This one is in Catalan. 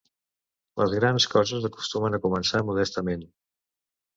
Les grans coses acostumen a començar modestament.